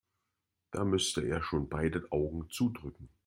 Da müsste er schon beide Augen zudrücken.